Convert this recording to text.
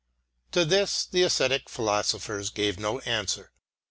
To this the æsthetic philosophers gave no answer.